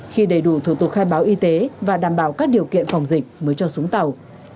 khi đầy đủ thủ tục khai báo y tế và đảm bảo các điều kiện phòng dịch mới cho xuống tàu